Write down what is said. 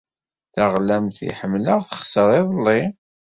Taɣlamt ay ḥemmleɣ texṣer iḍelli.